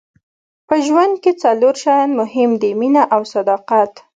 په ژوند کې څلور شیان مهم دي مینه او صداقت.